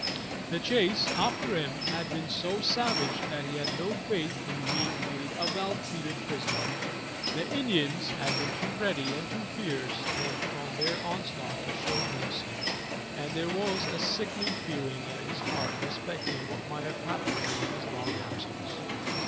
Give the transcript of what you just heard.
The chase after him had been so savage that he had no faith in being made a well treated prisoner. The Indians had been too ready and too fierce in their onslaught to show mercy, and there was a sickening feeling at his heart respecting what might have happened during his long absence.